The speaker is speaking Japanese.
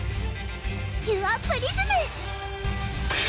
キュアプリズム！